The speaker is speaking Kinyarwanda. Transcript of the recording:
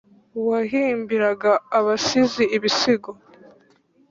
Wahimbiraga abasizi ibisigo